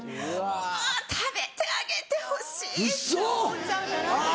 「あぁ食べてあげてほしい！」って思っちゃうから。